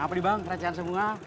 maaf nih bang keracahan semua